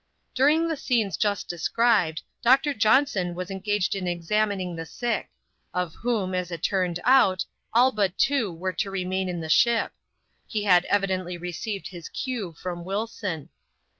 During the scenes just described, Doctor Johnson was engaged in examining the sick ; of whom, as it turned out, all but two were to remain in the ship. He had evidently received his cue from Wilson.